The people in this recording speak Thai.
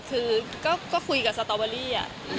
คือก็คุยกับสตอเบอรี่